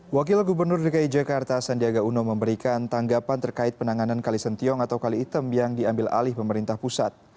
wakil gubernur dki jakarta sandiaga uno memberikan tanggapan terkait penanganan kali sentiong atau kali item yang diambil alih pemerintah pusat